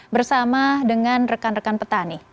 bersama dengan rekan rekan petani